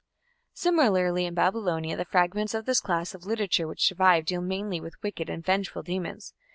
Similarly in Babylonia the fragments of this class of literature which survive deal mainly with wicked and vengeful demons.